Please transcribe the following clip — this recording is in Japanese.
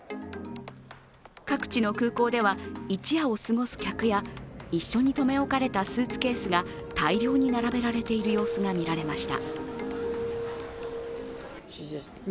各地の空港では一夜を過ごす客や一緒に留め置かれたスーツケースが大量に並べられている様子が見られました。